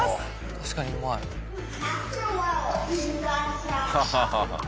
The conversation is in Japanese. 確かにうまい。ハハハハ。